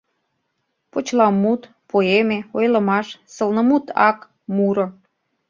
Почеламут, поэме, ойлымаш, сылнымут ак, муро